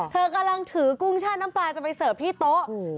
เธอกำลังถือกุ้งแช่น้ำปลาจะไปเสิร์ฟที่โต๊ะ